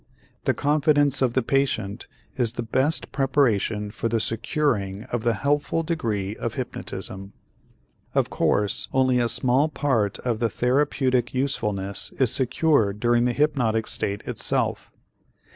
The confidence of the patient is the best preparation for the securing of the helpful degree of hypnotism. Of course only a small part of the therapeutic usefulness is secured during the hypnotic state itself.